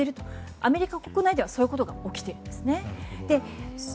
アメリカ国内ではそういうことが起きているんですね。